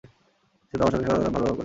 সে তো আমার সাথে সবসময় ভালো ব্যবহার করে।